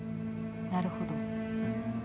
なるほど。